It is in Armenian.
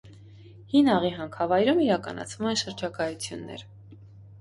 Հին աղի հանքավայրում իրականացվում են շրջագայություններ։